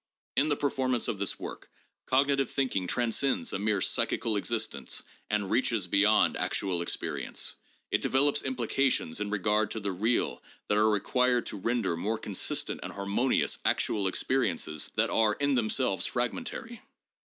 In the performance of this work cognitive thinking transcends a mere psychical existence and reaches beyond actual experience. It develops implications in regard to the real that are required to render more consistent and harmonious actual experiences that are in themselves fragmentary.